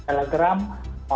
dikatakan sangat aman tiga tiganya